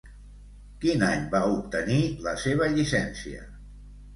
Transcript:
Quin any va obtenir la seva llicència?